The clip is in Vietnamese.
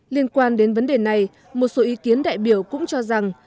liên quan đến vấn đề này một số ý kiến đại biểu cũng cho rằng